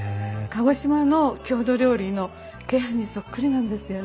鹿児島の郷土料理の鶏飯にそっくりなんですよ。